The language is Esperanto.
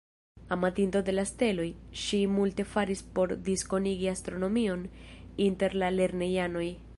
Amantino de la steloj, ŝi multe faris por diskonigi astronomion inter la lernejanoj.